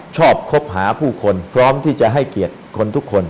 คบหาผู้คนพร้อมที่จะให้เกียรติคนทุกคน